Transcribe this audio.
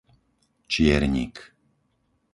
Čiernik